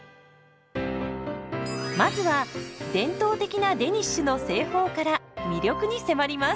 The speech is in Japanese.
まずは伝統的なデニッシュの製法から魅力に迫ります。